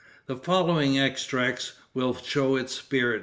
The following extracts will show its spirit.